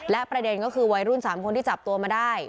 และประเด็นก็คือวัยรุ่น๓คนที่จับตัวมาได้